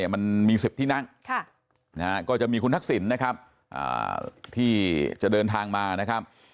มันมี๑๐ที่นั่งก็จะมีคุณทักษิณนะครับที่จะเดินทางมานะครับ